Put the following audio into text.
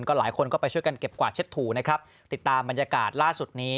หลายคนก็ไปช่วยกันเก็บกวาดเช็ดถูนะครับติดตามบรรยากาศล่าสุดนี้